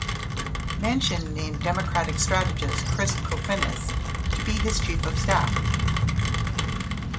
Manchin named Democratic strategist Chris Kofinis to be his chief of staff.